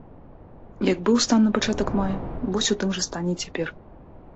Як быў стан на пачатак мая, вось у тым жа стане і цяпер.